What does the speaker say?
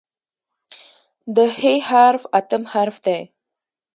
د "ح" حرف اتم حرف دی.